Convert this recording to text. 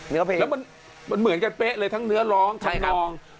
แล้วมันเหมือนกันเป๊ะเลยทั้งเนื้อร้องทั้งนอง